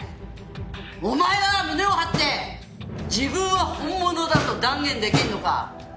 お前は胸を張って自分は本物だと断言できるのか？